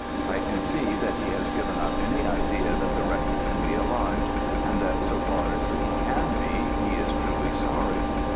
I can see that he has given up any idea that the Rector can be alive, and that, so far as he can be, he is truly sorry.